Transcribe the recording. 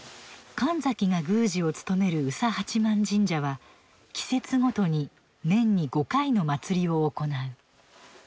神崎が宮司を務める宇佐八幡神社は季節ごとに年に５回の祭りを行う。